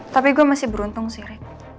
tapi gue masih beruntung sih rek